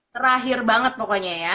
terakhir banget pokoknya ya